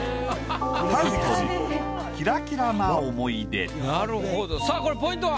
タイトルなるほどさあこれポイントは？